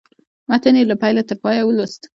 متن یې له پیله تر پایه ولوست.